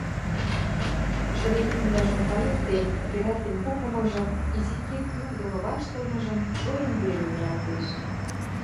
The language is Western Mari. Шӹре пӱвлӓжӹм кайыктен, йӹрӓлтен попымыжым, изи кек юк доно ваштылмыжым шоэн веле ужалтеш.